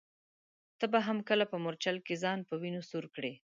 ته به هم کله په مورچل کي ځان په وینو سور کړې ؟